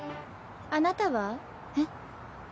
あなたは？えっ？